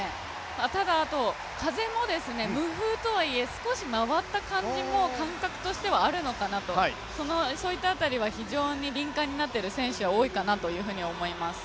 風も無風とはいえ、ちょっと曲がった感じもあるのかなと、そういった辺りは非常に敏感になっている選手は多いかなと思います。